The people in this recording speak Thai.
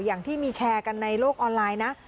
อย่างที่มีแชร์กันในโลกออนไลน์นะ